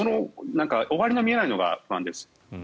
終わりの見えないのが不安です。